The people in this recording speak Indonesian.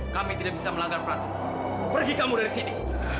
kami tidak bisa melanggar peraturan pergi kamu dari sini